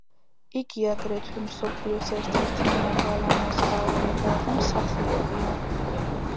იგი აგრეთვე მსოფლიოს ერთ-ერთი მაღალანაზღაურებადი მსახიობია.